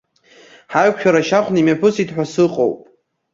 Ҳаиқәшәара шьахәны имҩаԥысит ҳәа сыҟоуп.